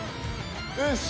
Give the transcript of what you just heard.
よし！